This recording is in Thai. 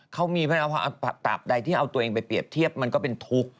เขามีตราบใดที่เอาตัวเองไปเปรียบเทียบมันก็เป็นทุกข์